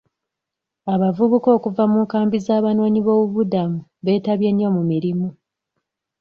Abavubuka okuva mu nkambi z'abanoonyi b'obubuddamu beetabye nnyo mu mirimu.